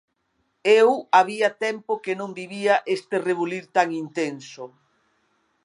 Eu había tempo que non vivía este rebulir tan intenso.